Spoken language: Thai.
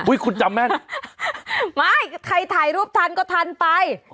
หอุ้ยคุณจำแม่นไม่ใครถ่ายรูปทรรภ์ก็ทันไป